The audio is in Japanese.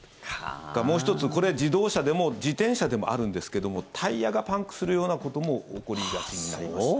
それからもう１つこれは自動車でも自転車でもあるんですけどもタイヤがパンクするようなことも起こりがちになります。